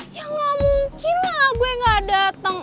ya gak mungkin lah gue gak dateng